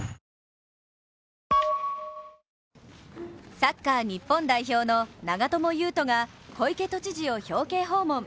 サッカー日本代表の長友佑都が小池都知事を表敬訪問。